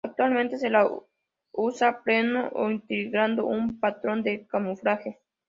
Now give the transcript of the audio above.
Actualmente se lo usa pleno o integrando un patrón de camuflaje.